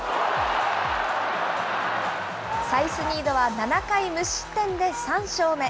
サイスニードは７回無失点で３勝目。